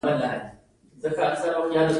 دوی د خامو موادو په ترلاسه کولو کې سیالي کوي